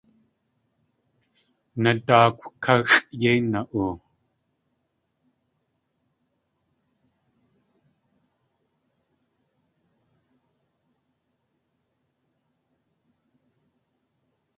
Nadáakw káxʼ yéi na.oo!